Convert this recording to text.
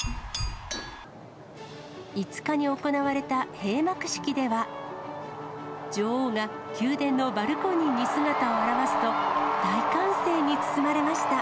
５日に行われた閉幕式では、女王が宮殿のバルコニーに姿を現すと、大歓声に包まれました。